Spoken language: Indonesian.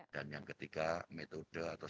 dan yang ketiga metode atau